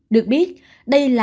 được biết đây là